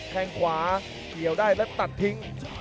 แค่งขวาเกี่ยวได้และตัดทิ้ง